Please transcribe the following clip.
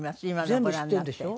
全部知ってるでしょ？